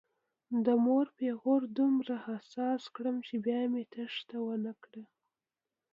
د مور پیغور دومره حساس کړم چې بیا مې تېښته ونه کړه.